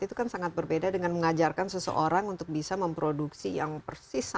itu kan sangat berbeda dengan mengajarkan seseorang untuk bisa memproduksi yang persis